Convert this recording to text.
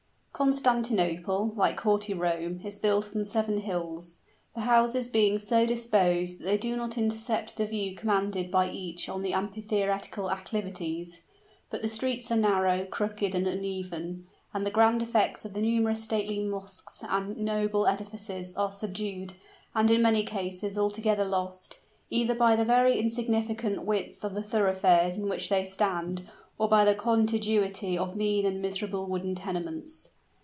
Constantinople, like haughty Rome, is built on seven hills the houses being so disposed that they do not intercept the view commanded by each on the amphitheatrical acclivities. But the streets are narrow, crooked, and uneven; and the grand effects of the numerous stately mosques and noble edifices are subdued, and in many cases altogether lost, either by the very insignificant width of the thoroughfares in which they stand, or by the contiguity of mean and miserable wooden tenements.